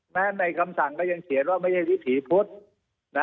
ในคำสั่งก็ยังเขียนว่าไม่ใช่วิถีพุทธนะ